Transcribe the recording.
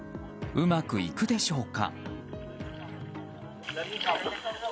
うまくいくでしょうか。